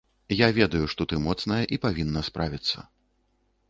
Я ведаю, што ты моцная і павінна справіцца.